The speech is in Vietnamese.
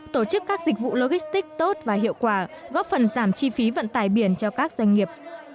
tổ chức các dịch vụ logistics tốt và hiệu quả góp phần giảm chi phí vận tải biển cho các doanh nghiệp